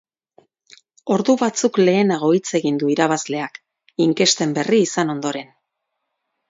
Ordu batzuk lehenago hitz egin du irabazleak, inkesten berri izan ondoren.